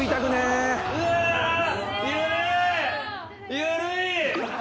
緩い！